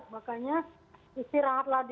makanya istirahatlah dulu